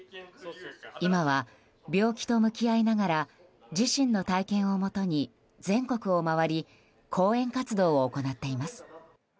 今は、病気と向き合いながら自身の体験をもとに全国を回り講演活動を行っています。